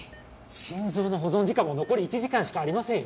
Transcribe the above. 心臓の保存時間も残り１時間しかありませんよ